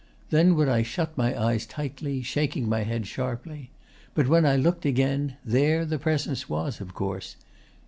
Then would I shut my eyes tightly, shaking my head sharply; but, when I looked again, there the presence was, of course.